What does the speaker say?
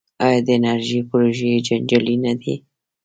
آیا د انرژۍ پروژې جنجالي نه دي؟